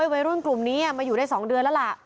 วัยรุ่นกลุ่มนี้มาอยู่ได้๒เดือนแล้วล่ะ